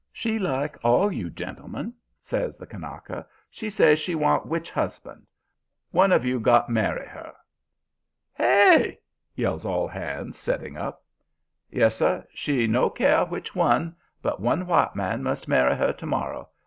"'She like all you gentlemen,' says the Kanaka. 'She say she want witch husband. One of you got marry her." "'HEY?' yells all hands, setting up. "'Yes, sir. She no care which one, but one white man must marry her to morrow.